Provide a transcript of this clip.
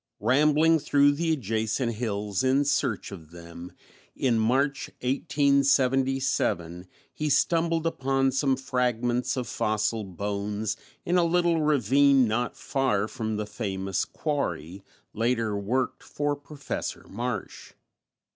Rambling through the adjacent hills in search of them, in March, 1877, he stumbled upon some fragments of fossil bones in a little ravine not far from the famous quarry later worked for Professor Marsh.